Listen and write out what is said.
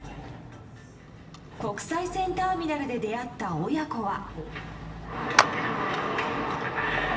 国際線ターミナルで出会った親子は。